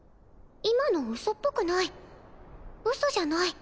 今のウソっぽくないウソじゃない